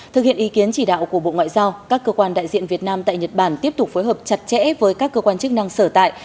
thực hiện ý kiến chỉ đạo của bộ ngoại giao các cơ quan đại diện việt nam tại nhật bản tiếp tục phối hợp chặt chẽ với các cơ quan chức năng sở tại